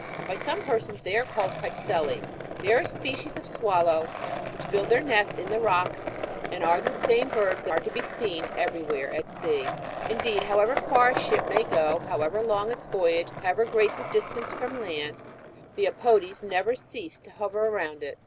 By some persons they are called ''cypseli." They are a species of swallow which build their nests in the rooks, and are the same birds that are to be seen everywhere at sea ; indeed, however far a ship may go, however long its voyage, and however great the distance from land, the apodes never cease to hover around it.